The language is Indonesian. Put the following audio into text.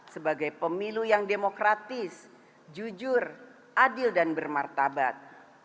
sebagai pemilu yang demokratis jujur adil dan bermartabat